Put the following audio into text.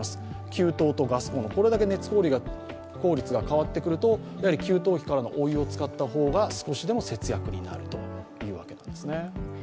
給湯とガスコンロ、これだけ熱効率が変わってくると給湯器からのお湯を使った方が少しでも節約になるということです。